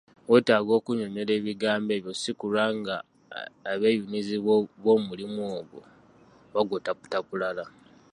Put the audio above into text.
Weetaaga okunnyonnyola ebigambo ebyo ssi kulwa ng'abeeyunizi b’omulimu gwo bagutaputa bulala.